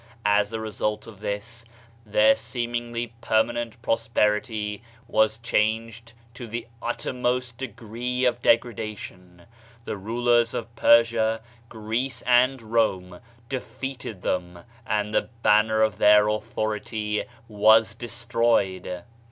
As a result of this, their seemingly permanent prosperity was changed to the uttermost degree of degradation; the rulers of Persia, Greece and Rome defeated them; and the banner of their authority was destroyed.